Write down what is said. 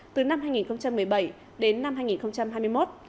từ năm hai nghìn một mươi bảy đến năm hai nghìn hai mươi một